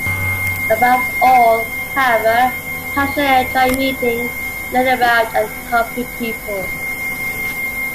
Above all, however, Blanchard enjoyed meeting, learning about, and helping people.